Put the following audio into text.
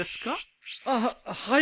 ああはい。